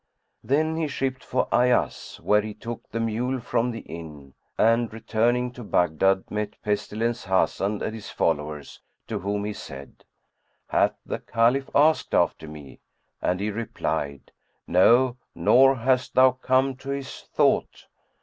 Then he shipped for Ayas, where he took the mule from the inn and, returning to Baghdad met Pestilence Hasan and his followers, to whom said he, "Hath the Caliph asked after me?"; and he replied, "No, nor hast thou come to his thought."